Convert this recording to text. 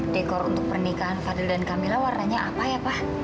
dekor untuk pernikahan fadil dan camilla warnanya apa ya pak